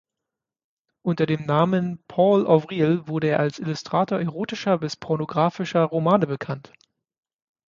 Unter dem Namen Paul Avril wurde er als Illustrator erotischer bis pornografischer Romane bekannt.